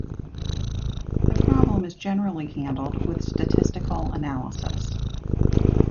The problem is generally handled with statistical analysis.